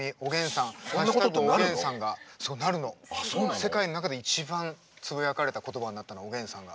世界の中で一番つぶやかれた言葉になったのおげんさんが。